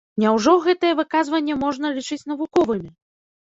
Няўжо гэтыя выказванні можна лічыць навуковымі?